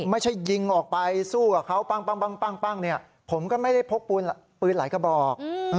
ไม่ใช่ยิงออกไปสู้กับเขาปั้งผมก็ไม่ได้พกปืนหลายกระบอก